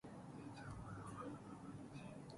اعتقاد خلل ناپذیر